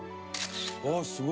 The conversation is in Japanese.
あっすごい！